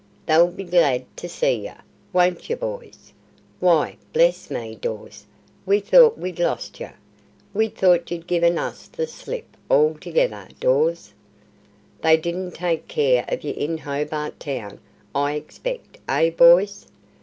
They'll be glad to see yer, won't yer, boys? Why, bless me, Dawes, we thort we'd lost yer! We thort yer'd given us the slip altogether, Dawes. They didn't take care of yer in Hobart Town, I expect, eh, boys?